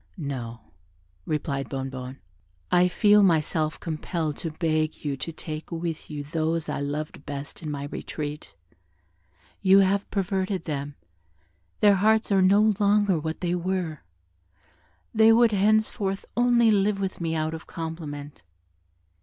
"No," replied Bonnebonne, "I feel myself compelled to beg you to take with you those I loved best in my retreat; you have perverted them, their hearts are no longer what they were: they would henceforth only live with me out of compliment.